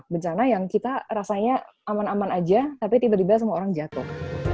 bencana yang kita rasanya aman aman aja tapi tiba tiba semua orang jatuh